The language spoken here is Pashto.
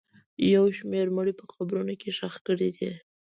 یو شمېر مړي په قبرونو کې ښخ کړي دي